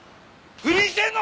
不倫してんの？